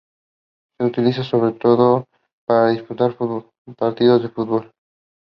They both got Metamorphosed into stones of human shape.